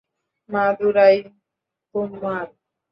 মাদুরাই - তোমার?